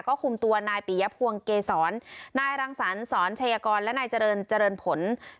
ก็คุมตัวนายปียภวงเกษรนายรังสรรสอนชัยกรและนายเจริญเจริญผล